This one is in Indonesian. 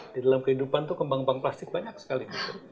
di dalam kehidupan tuh kembang kembang plastik banyak sekali